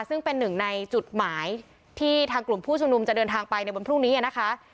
ซึ่งเป็นหนึ่งในจุดหมายที่ทางกลุ่มผู้ชุมนุมจะเดินทางไปในวันพรุ่งนี้นะคะ